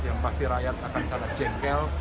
yang pasti rakyat akan sangat jengkel